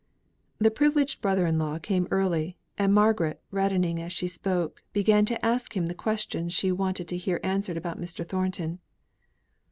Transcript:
The privileged brother in law came early; and Margaret, reddening as she spoke, began to ask him the questions she wanted to hear answered about Mr. Thornton.